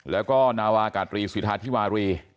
แล้วก็นาวากาตรีสิทธาธิวารี